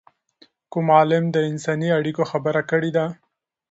کوم عالم د انساني اړیکو خبره کړې ده؟